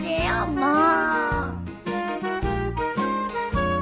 もう。